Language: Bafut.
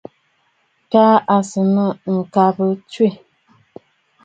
Kaa à sɨ̀ nɨ̂ ŋ̀kabə tswê.